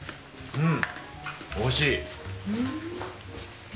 うん！